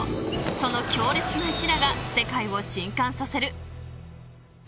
その強烈な一打が世界を震撼させる。